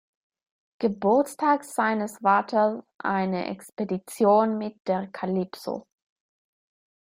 Geburtstags seines Vaters eine Expedition mit der "Calypso".